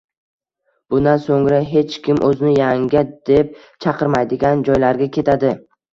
Bundan so`ngra hech kim o`zini yanga deb chaqirmaydigan joylarga ketadi